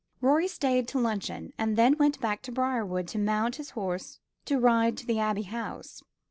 Rorie stayed to luncheon, and then went back to Briarwood to mount his horse to ride to the Abbey House.